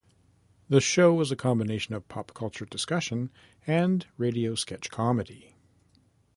The show was a combination of pop culture discussion and radio sketch comedy.